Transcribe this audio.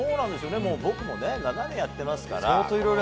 僕も７年やってますから。